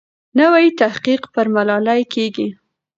نوی تحقیق پر ملالۍ کېږي.